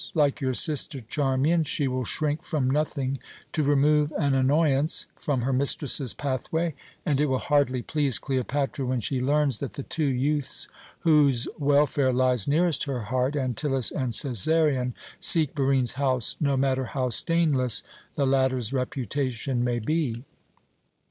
Like your sister Charmian, she will shrink from nothing to remove an annoyance from her mistress's pathway, and it will hardly please Cleopatra when she learns that the two youths whose welfare lies nearest her heart Antyllus and Cæsarion seek Barine's house, no matter how stainless the latter's reputation may be."